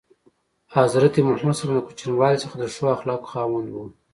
حضرت محمد ﷺ له کوچنیوالي څخه د ښو اخلاقو خاوند و.